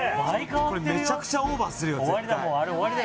これめちゃくちゃオーバーするよ絶対終わりだ